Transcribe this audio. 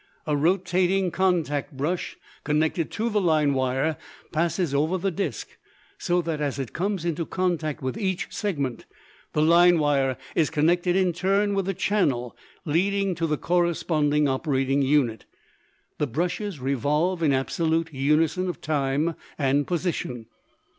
A rotating contact brush connected to the line wire passes over the disk, so that, as it comes into contact with each segment, the line wire is connected in turn with the channel leading to the corresponding operating unit. The brushes revolve in absolute unison of time and position.